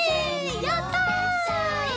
やった！